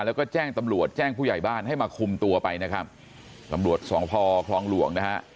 แล้วก็แจ้งตำรวจแจ้งผู้ใหญ่บ้านให้มาคุมตัวไปนะครับตำรวจสพคลองหลวงนะฮะ